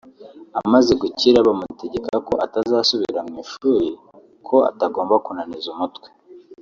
amaze gukira bamutegeka ko atazasubira mu ishuri ko atagomba kunaniza umutwe